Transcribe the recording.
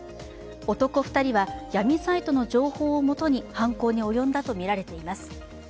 男２人は闇サイトの情報をもとに犯行に及んだとみられています。